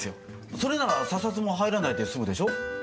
それなら査察も入らないで済むでしょ？